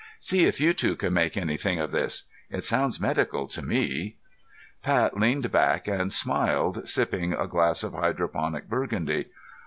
"See if you two can make anything of this. It sounds medical to me." Pat leaned back and smiled, sipping a glass of hydroponic burgundy.